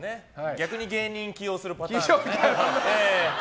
逆に芸人起用するパターンね。